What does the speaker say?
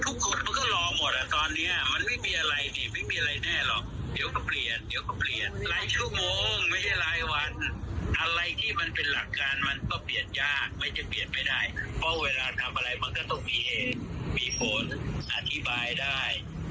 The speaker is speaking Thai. ทุกคนมันก็รอหมดอ่ะตอนเนี้ยมันไม่มีอะไรสิไม่มีอะไรแน่หรอกเดี๋ยวก็เปลี่ยนเดี๋ยวก็เปลี่ยนหลายชั่วโมงไม่ใช่รายวันอะไรที่มันเป็นหลักการมันก็เปลี่ยนยากไม่ใช่เปลี่ยนไม่ได้เพราะเวลาทำอะไรมันก็ต้องมีเหตุมีผลอธิบายได้